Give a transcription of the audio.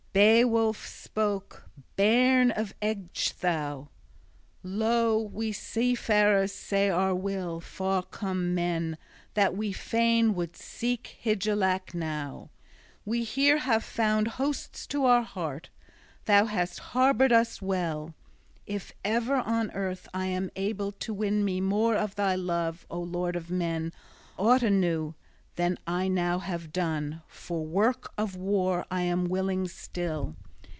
XXVI BEOWULF spake, bairn of Ecgtheow: "Lo, we seafarers say our will, far come men, that we fain would seek Hygelac now. We here have found hosts to our heart: thou hast harbored us well. If ever on earth I am able to win me more of thy love, O lord of men, aught anew, than I now have done, for work of war I am willing still!